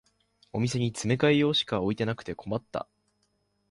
お店に詰め替え用しか置いてなくて困った